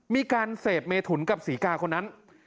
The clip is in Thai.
มีการเสพเมถุนกับศรีกาคนนั้น